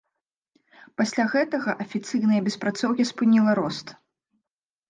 Пасля гэтага афіцыйнае беспрацоўе спыніла рост.